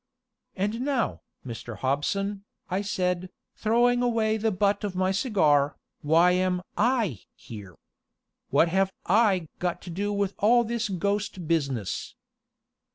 "And now, Mr. Hobson," I said, throwing away the butt of my cigar, "why am I here? What have I got to do with all this ghost business?"